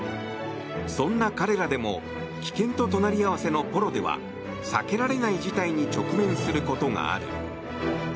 そんな彼らでも危険と隣り合わせのポロでは避けられない事態に直面することがある。